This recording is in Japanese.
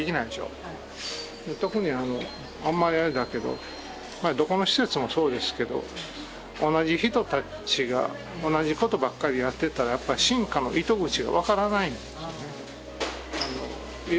特にあのあんまりあれだけどどこの施設もそうですけど同じ人たちが同じことばっかりやってたらやっぱ進化の糸口が分からないんですよね。